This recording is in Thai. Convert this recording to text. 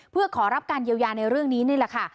เพื่อขอรับการเยียวยาในเรื่องนี้นี่แหละค่ะ